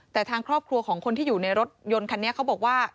แต่ทางครอบครัวของคนที่อยู่ในรถยนต์คันนี้เขาบอกว่า